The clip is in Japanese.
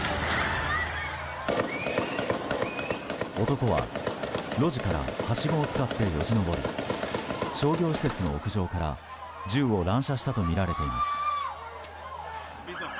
男は路地からはしごを使ってよじ登り商業施設の屋上から銃を乱射したとみられています。